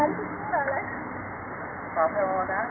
ขอบคุณที่ทำดีดีกับแม่ของฉันหน่อยครับ